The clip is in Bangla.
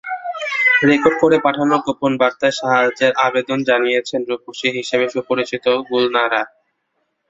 রেকর্ড করে পাঠানো গোপন বার্তায় সাহায্যের আবেদন জানিয়েছেন রূপসী হিসেবে সুপরিচিত গুলনারা।